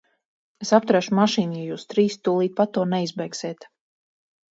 Es apturēšu mašīnu, ja jūs trīs tūlīt pat to neizbeigsiet!